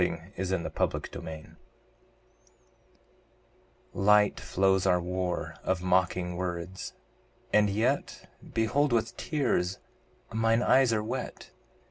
Matthew Arnold The Buried Life LIGHT flows our war of mocking words and yet Behold, with tears mine eyes are wet!